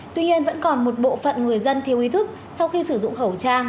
tuy nhiên vẫn còn một bộ phận người dân thiếu ý thức sau khi sử dụng khẩu trang